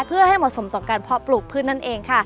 เพื่อให้เหมาะสมต่อการเพาะปลูกพืชนั่นเองค่ะ